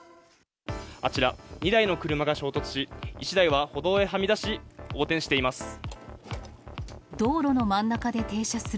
あちら、２台の車が衝突し、１台は歩道にはみ出し、横転しています。